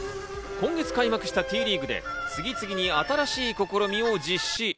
今月開幕したＴリーグで次々に新しい試みを実施。